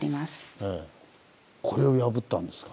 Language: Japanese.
これを破ったんですか？